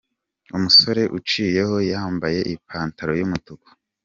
Umusore uciyeho yambaye ipantaro yu mutuku.